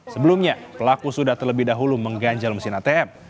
sebelumnya pelaku sudah terlebih dahulu mengganjal mesin atm